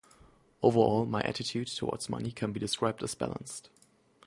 Overall, my attitude towards money can be described as balanced.